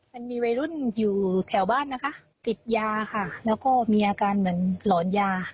มันมีวัยรุ่นอยู่แถวบ้านนะคะติดยาค่ะแล้วก็มีอาการเหมือนหลอนยา